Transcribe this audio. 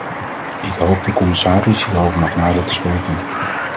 Ik hoop de commissaris hierover nog nader te spreken.